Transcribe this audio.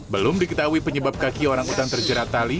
belum diketahui penyebab kaki orang utan terjerat tali